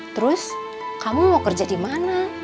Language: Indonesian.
terus kamu mau kerja di mana